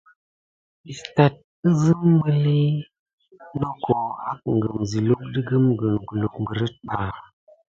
Istat gelzim miliy noko akum siluk de kumgene kuluck berinba.